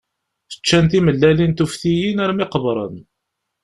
Ččan timellalin tuftiyin armi qebren.